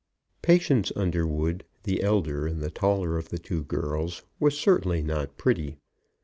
Patience Underwood, the elder and the taller of the two girls, was certainly not pretty.